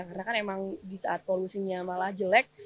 karena kan emang di saat polusinya malah jelek